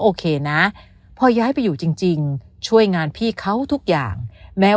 โอเคนะพอย้ายไปอยู่จริงช่วยงานพี่เขาทุกอย่างแม้